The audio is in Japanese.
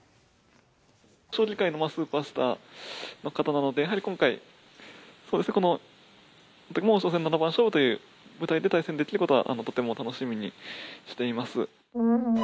将棋界のスーパースターの方なので、やはり今回、この王将戦七番勝負という舞台で対戦できることは、とても楽しみにしています。